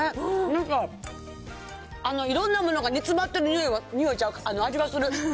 なんかいろんなものが煮詰まってるにおい、においちゃう、味がす